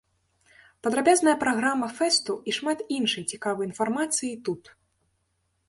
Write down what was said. Падрабязная праграма фэсту і шмат іншай цікавай інфармацыі тут.